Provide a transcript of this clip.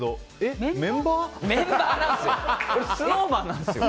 ＳｎｏｗＭａｎなんですよ。